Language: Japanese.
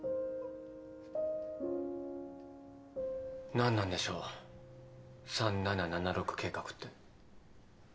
何なんでしょう３７７６計画って。